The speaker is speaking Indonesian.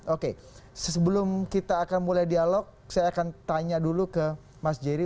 oke sebelum kita akan mulai dialog saya akan tanya dulu ke mas jerry